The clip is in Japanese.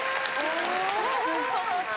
すごい！